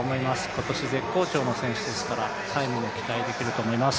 今年、絶好調の選手ですからタイムも期待できると思います。